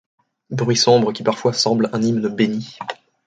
Bruit sombre qui parfois semble un hymne béni